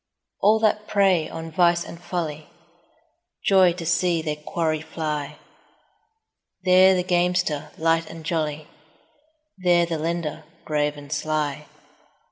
All that prey on vice and folly Joy to see their quarry fly: There the gamester, light and jolly, 15 There the lender, grave and sly.